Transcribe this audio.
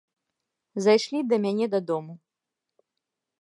Зайшлі да мяне дадому.